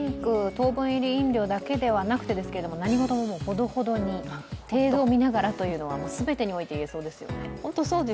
糖分入りドリンクだけではなく何事もほどほどに、程度を見ながらというのは全てにおいて言えそうですね。